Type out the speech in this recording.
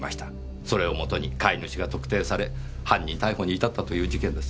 それをもとに飼い主が特定され犯人逮捕に至ったという事件です。